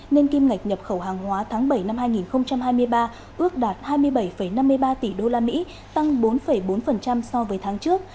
nền kim ngạch nhập khẩu hàng hóa tháng bảy năm hai nghìn hai mươi ba ước đạt hai mươi bảy năm mươi ba tỷ đô la mỹ tăng bốn bốn so với tháng trước